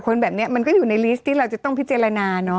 คนแบบนี้มันก็อยู่ในจงให้เราจะต้องพิจารณานอ๋อ